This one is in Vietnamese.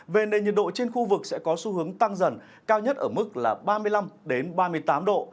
về nền nhiệt độ trên khu vực sẽ có xu hướng tăng dần cao nhất ở mức là ba mươi năm ba mươi tám độ